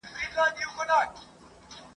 شپه به ځي بلال به واورو زه سهار په سترګو وینم ..